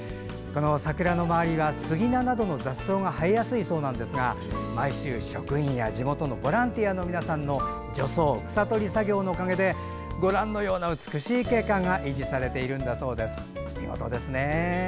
桜の周りはスギナなどの雑草が生えやすいそうなんですが毎週、職員や地元のボランティアの皆さんの除草、草取り作業のおかげでご覧のような美しい景観が維持されているんだそうです。